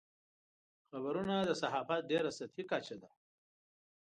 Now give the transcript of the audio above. خبرونه د صحافت ډېره سطحي کچه ده.